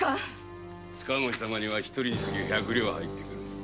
塚越様には１人につき百両入って来る。